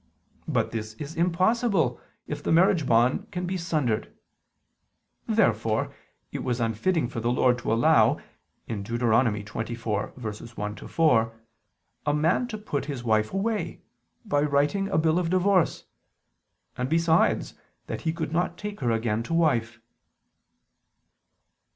But this is impossible if the marriage bond can be sundered. Therefore it was unfitting for the Lord to allow (Deut. 24:1 4) a man to put his wife away, by writing a bill of divorce; and besides, that he could not take her again to wife.